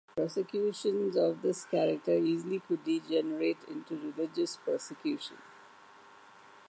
Prosecutions of this character easily could degenerate into religious persecution.